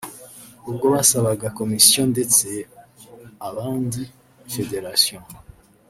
ubwo basabaga Commission ndetse abandi Federation